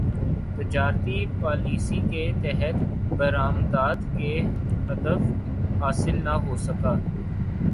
تجارتی پالیسی کے تحت برامدات کا ہدف حاصل نہ ہوسکا